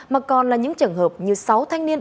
mà còn là những trường hợp như sáu thanh niên